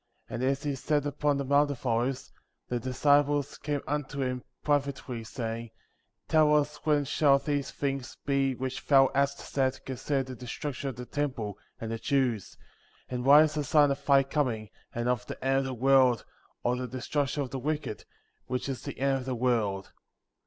And as he sat upon the Mount of Olives, the disciples came unto him privately, saying: Tell us when shall these things be which thou hast said concerning the destruction of the temple, and the Jews ; and what is the sign of thy coming, and of the end of the world, or the destruction of the wicked, which is the end of the world